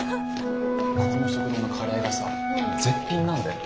ここの食堂のカレーがさ絶品なんだよ。